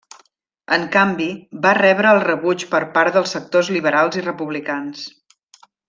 En canvi, va rebre el rebuig per part dels sectors liberals i republicans.